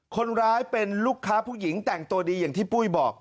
คนร้ายเป็นลูกค้าผู้หญิงแต่งตัวดีอย่างที่ปุ้ยบอก